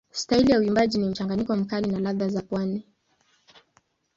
Staili ya uimbaji ni mchanganyiko mkali na ladha za pwani.